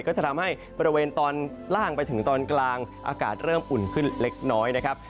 ก็จะทำให้บริเวณตอนล่างไปถึงตอนกลางอากาศเริ่มอุ่นขึ้นเล็กน้อยนะครับ